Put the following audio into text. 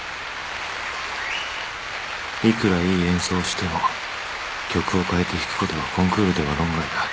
いくらいい演奏をしても曲を変えて弾くことはコンクールでは論外だ。